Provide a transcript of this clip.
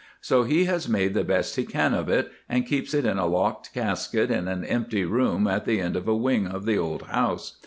So he has made the best he can of it, and keeps it in a locked casket in an empty room at the end of a wing of the old house.